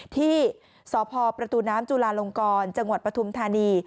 ที่สพประตูน้ำจุลาลงกรจังหวัดปฐุมธานี